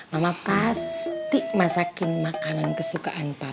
mama pasti masakin makanan kesukaan papa ya